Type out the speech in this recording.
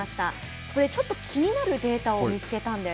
そこで、ちょっと気になるデータを見つけたんです。